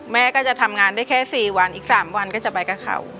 แม่ก็จะทำงานได้แค่๔วันอีก๓วันก็จะไปกับเขา